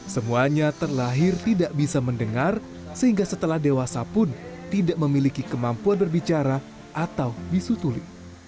semuanya terlahir tidak bisa mendengar sehingga setelah dewasa pun tidak memiliki kemampuan berbicara atau bisu tuli